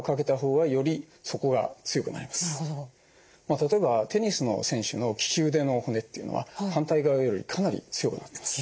例えばテニスの選手の利き腕の骨っていうのは反対側よりかなり強くなってます。